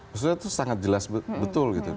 maksudnya itu sangat jelas betul gitu